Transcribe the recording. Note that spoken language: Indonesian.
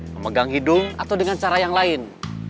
memegang hidung atau dengan cara yang lain